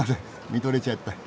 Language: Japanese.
見とれちゃった。